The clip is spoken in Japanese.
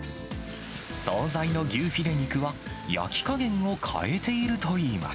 総菜の牛フィレ肉は、焼き加減を変えているといいます。